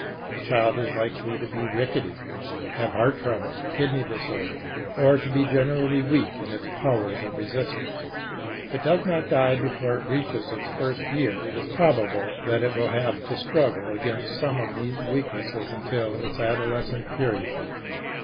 The child is likely to be rickety, have heart trouble, kidney disorder, or to be generally weak in its powers of resistance. If it does not die before it reaches its first year, it is probable that it will have to struggle against some of these weaknesses until its adolescent period.